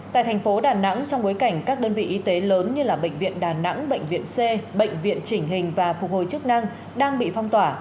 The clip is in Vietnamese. tại thành phố đà nẵng trong bối cảnh các đơn vị y tế lớn như bệnh viện đà nẵng bệnh viện c bệnh viện chỉnh hình và phục hồi chức năng đang bị phong tỏa